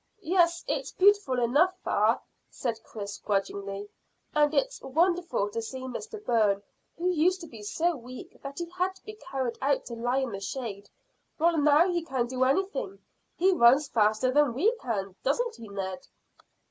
"Yes, it's beautiful enough, fa," said Chris grudgingly, "and it's wonderful to see Mr Bourne, who used to be so weak that he had to be carried out to lie in the shade, while now he can do anything. He runs faster than we can, doesn't he, Ned?"